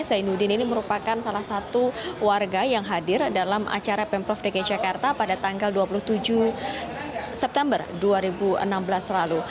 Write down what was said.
zainuddin ini merupakan salah satu warga yang hadir dalam acara pemprov dki jakarta pada tanggal dua puluh tujuh september dua ribu enam belas lalu